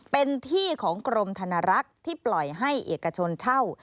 เป็นที่ของกรมธนรักษ์ที่ปล่อยให้เอกชนเช่า